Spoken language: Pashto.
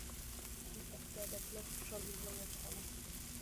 د پښتو ادب پلار خوشحال بابا یاد سوى.